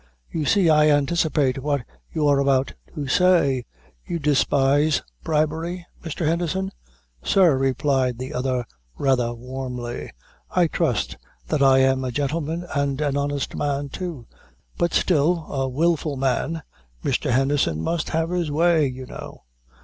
You see I anticipate what you are about to say; you despise bribery, Mr. Henderson?" "Sir," replied the other, rather warmly, "I trust that I am a gentleman and an honest man, too." "But still, a wilful man, Mr. Henderson must have his way, you know.